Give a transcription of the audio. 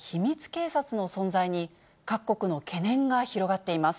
警察の存在に、各国の懸念が広がっています。